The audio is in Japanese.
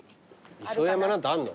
「磯山」なんてあんの？